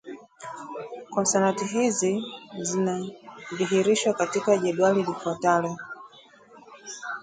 Konsonanti hizi zinadhihirishwa katika jedwali lifuatalo